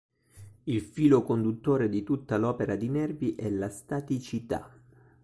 Il filo conduttore di tutta l'opera di Nervi è la staticità.